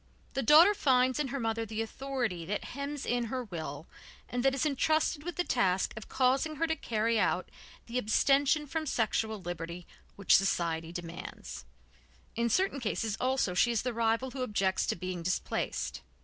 The daughter finds in her mother the authority that hems in her will and that is entrusted with the task of causing her to carry out the abstention from sexual liberty which society demands; in certain cases also she is the rival who objects to being displaced.